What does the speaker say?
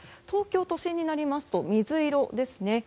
東京都心になりますと水色ですね。